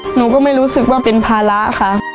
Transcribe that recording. หนูก็ไม่รู้สึกว่าเป็นภาระค่ะ